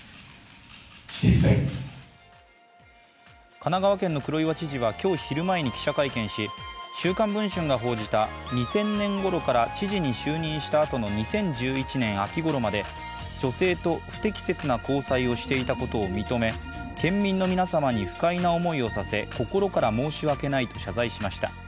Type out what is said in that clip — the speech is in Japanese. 神奈川県の黒岩知事は今日昼前に記者会見し「週刊文春」が報じた２０００年ごろから知事に就任したあとの２０１１年秋ごろまで女性と不適切な交際をしていたことを認め県民の皆様に不快な思いをさせ心から申し訳ないと謝罪しました。